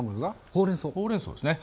ほうれんそうですね。